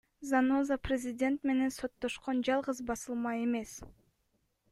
Заноза президент менен соттошкон жалгыз басылма эмес.